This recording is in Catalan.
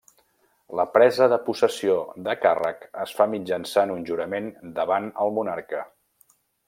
La presa de possessió de càrrec es fa mitjançant un jurament davant el monarca.